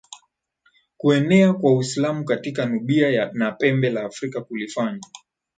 Kuenea kwa Uislamu katika Nubia na Pembe la Afrika kulifanya